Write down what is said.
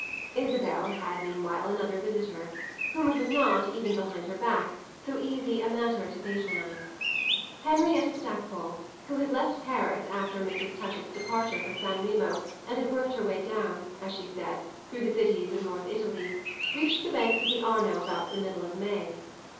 Isabel had meanwhile another visitor, whom it was not, even behind her back, so easy a matter to patronise. Henrietta Stackpole, who had left Paris after Mrs. Touchett's departure for San Remo and had worked her way down, as she said, through the cities of North Italy, reached the banks of the Arno about the middle of May.